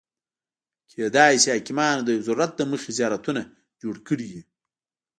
کېدای شي حاکمانو د یو ضرورت له مخې زیارتونه جوړ کړي وي.